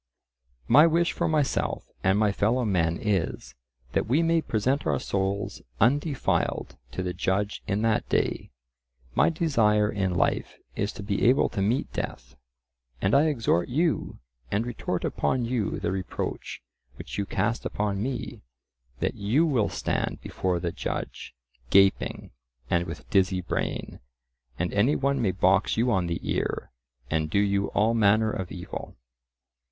My wish for myself and my fellow men is, that we may present our souls undefiled to the judge in that day; my desire in life is to be able to meet death. And I exhort you, and retort upon you the reproach which you cast upon me,—that you will stand before the judge, gaping, and with dizzy brain, and any one may box you on the ear, and do you all manner of evil.